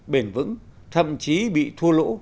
bền vững thậm chí bị thua lỗ